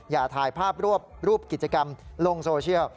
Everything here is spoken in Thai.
อย่าถ่ายภาพรวบรูปกิจกรรมลงโซเชียล